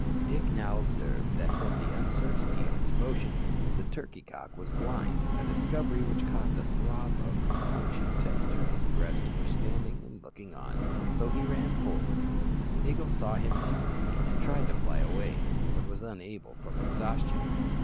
Dick now observed that, from the uncertainty of its motions, the turkey cock was blind, a discovery which caused a throb of compunction to enter his breast for standing and looking on, so he ran forward. The eagle saw him instantly, and tried to fly away, but was unable from exhaustion.